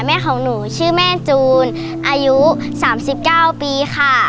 แม่ของหนูชื่อแม่จูนอายุ๓๙ปีค่ะ